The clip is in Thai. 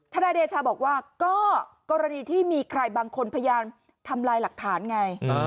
นายเดชาบอกว่าก็กรณีที่มีใครบางคนพยายามทำลายหลักฐานไง